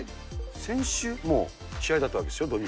先週、もう試合だったわけでしょ、土日。